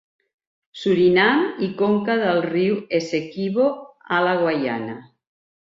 Surinam i conca del riu Essequibo a la Guaiana.